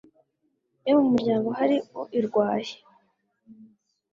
Iyo mu muryango hari uirwaye